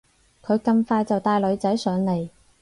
佢咁快就帶女仔上嚟